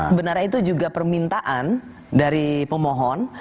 sebenarnya itu juga permintaan dari pemohon